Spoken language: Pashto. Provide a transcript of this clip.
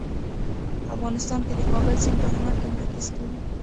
افغانستان کې د کابل سیند په هنر کې منعکس کېږي.